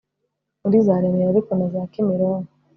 muri zaremera ariko na za kimironko